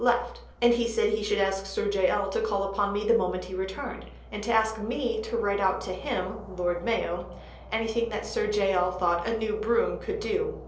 left. And he said he should ask Sir J. L. to call upon me the moment he returned, and to ask me to write out to him (Lord Mayo) anything that Sir J. L. thought "a new broom" could do.